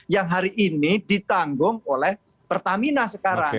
yang hari ini ditanggung oleh pertamina sekarang